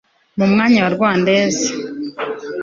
Mu mwaka wa Rwandais